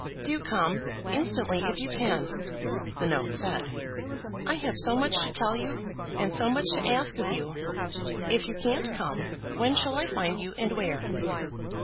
"Do come; instantly if you can," the note said. "I have so much to tell you, and so much to ask of you. If you can't come, when shall I find you, and where?"